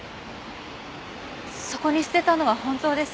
そこに捨てたのは本当です。